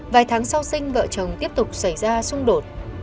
vài tháng sau sinh vợ chồng tiếp tục xảy ra xung đột